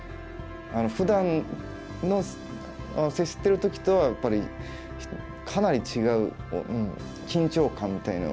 ふだんの接してる時とはやっぱりかなり違う緊張感みたいなのを。